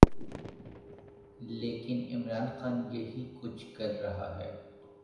لیکن عمران خان یہی کچھ کر رہا ہے۔